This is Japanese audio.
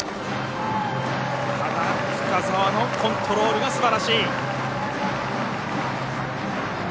ただ深沢のコントロールがすばらしい。